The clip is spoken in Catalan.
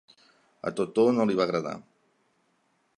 A Toto no li va agradar.